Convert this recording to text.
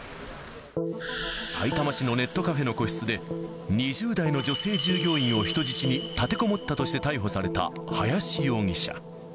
さいたま市のネットカフェの個室で、２０代の女性従業員を人質に立てこもったとして逮捕された林容疑者。